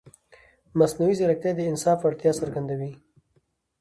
مصنوعي ځیرکتیا د انصاف اړتیا څرګندوي.